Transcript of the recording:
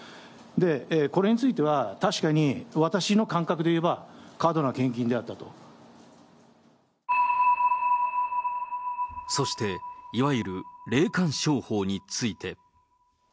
で、これについては、確かに私の感覚でいえば過度な献金であったと。そして、いわゆる霊感商法について。